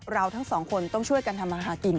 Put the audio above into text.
เราทั้งสองคนต้องช่วยกันทำมาหากิน